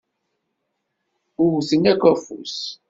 Wwten akk afus.